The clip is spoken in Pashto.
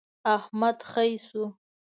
احمد خې شو.